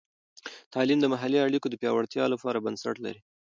تعلیم د محلي اړیکو د پیاوړتیا لپاره بنسټ لري.